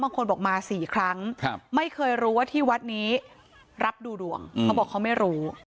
บางคนบอกมา๔ครั้งไม่เคยรู้ว่าที่วัดนี้รับดูดวงเขาบอกเขาไม่รู้